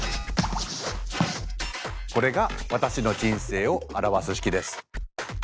これが私の人生を表す式です。